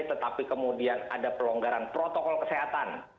tetapi kemudian ada pelonggaran protokol kesehatan